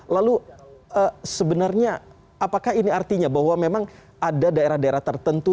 lalu sebenarnya apakah ini artinya bahwa memang ada daerah daerah tertentu